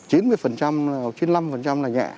chín mươi hoặc chín mươi năm là nhẹ